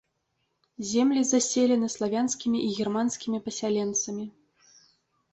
Землі заселены славянскімі і германскімі пасяленцамі.